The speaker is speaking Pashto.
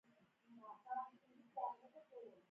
چې زه ورته ټينګ نه سم چې بېرته راسه.